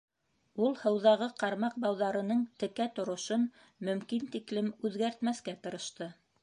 Ул һыуҙағы ҡармаҡ бауҙарының текә торошон мөмкин тиклем үҙгәртмәҫкә тырышты.